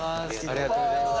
ありがとうございます。